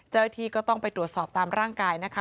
เจ้าโทษทีก็ต้องไปตรวจสอบตามร่างกายนะคะ